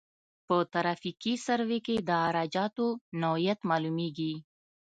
په ترافیکي سروې کې د عراده جاتو نوعیت معلومیږي